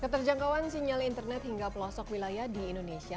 keterjangkauan sinyal internet hingga pelosok wilayah di indonesia